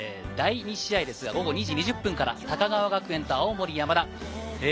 第２試合ですが、午後２時２０分から高川学園と青森山田。